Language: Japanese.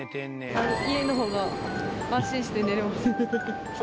家のほうが安心して寝れます。